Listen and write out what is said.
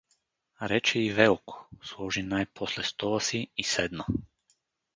— рече и Велко, сложи най-после стола си и седна.